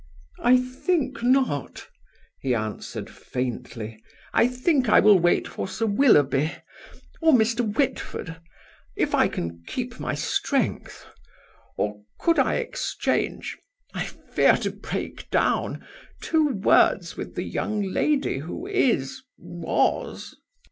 "I think not," he answered, faintly. "I think I will wait for Sir Willoughby ... or Mr. Whitford. If I can keep my strength. Or could I exchange I fear to break down two words with the young lady who is, was